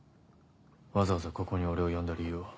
わざわざここに俺を呼んだ理由は？